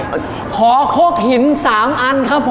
ขอโคกหิน๓อันครับผม